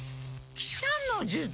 喜車の術？